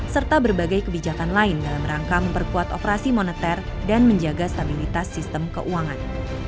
serta berbagai kebijakan lain dalam rangka memperkuat operasi moneter dan menjaga stabilitas sistem keuangan